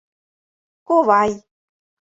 Ковай.